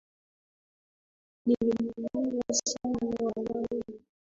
Niliumia sana walai.